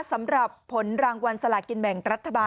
สำหรับผลรางวัลสลากินแบ่งรัฐบาล